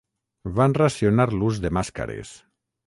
Van racionar l’ús de màscares.